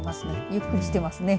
ゆっくりしてますね。